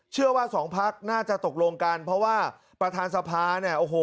เชื่อว่าสองภักดิ์น่าจะตกลงกันเพราะว่าประธานสภาเนี่ยโอ้โห